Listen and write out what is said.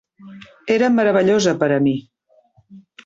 Era meravellosa per a mi.